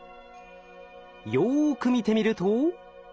よく見てみると。